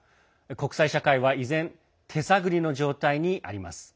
国際社会は依然手探りの状態にあります。